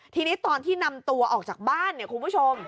ทีนี้ตอนที่นำตัวออกจากบ้านเนี่ยคุณผู้ชม